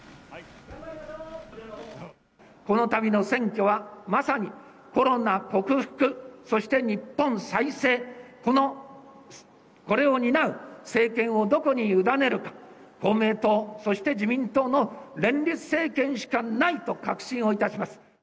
このたびの選挙は、まさにコロナ克服、そして日本再生、この、これを担う政権をどこに委ねるか、公明党、そして自民党の連立政権しかないと確信をいたします。